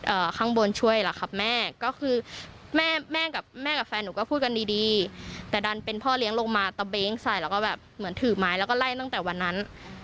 ข้างบนช่วยล่ะครับแม่ก็คือแม่แม่กับแม่กับแฟนหนูก็พูดกันดีดีแต่ดันเป็นพ่อเลี้ยงลงมาตะเบ้งใส่แล้วก็แบบเหมือนถือไม้แล้วก็ไล่ตั้งแต่วันนั้น